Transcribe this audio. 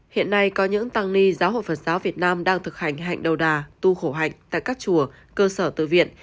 hiện nay có những tăng ni giáo hội phật giáo việt nam đang thực hành hạnh đầu đà tu hổ hạch tại các chùa cơ sở tự viện